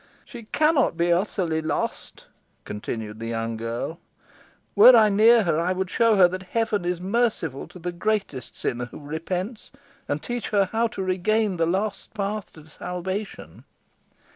"She cannot be utterly lost," continued the young girl. "Were I near her, I would show her that heaven is merciful to the greatest sinner who repents; and teach her how to regain the lost path to salvation."